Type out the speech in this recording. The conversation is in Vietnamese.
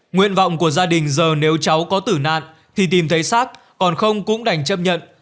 nguyện vọng của gia đình giờ nếu cháu có tử nạn thì tìm thấy sát còn không cũng đành chấp nhận